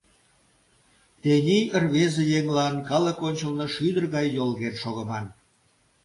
Тений рвезе еҥлан калык ончылно шӱдыр гай йолген шогыман.